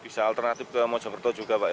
bisa alternatif ke mojokerto juga pak ya